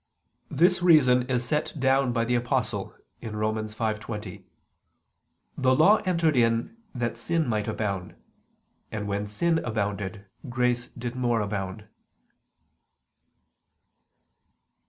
This reason is set down by the Apostle (Rom. 5:20): "The Law entered in, that sin might abound: and when sin abounded grace did more abound."